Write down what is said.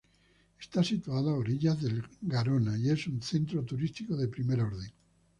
Está situada a orillas del Garona y es un centro turístico de primer orden.